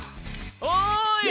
おい！